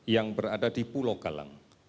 yang berada di pulau galang